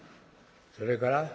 それから？」。